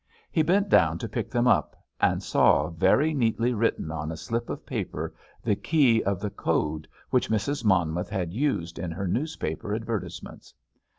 He bent down to pick them up, and saw very neatly written on a slip of paper the key of the code which Mrs. Monmouth had used in her newspaper advertisements.